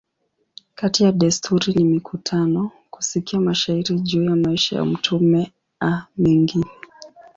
Kati ya desturi ni mikutano, kusikia mashairi juu ya maisha ya mtume a mengine.